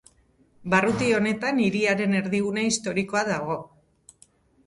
Barruti honetan hiriaren erdigune historikoa dago.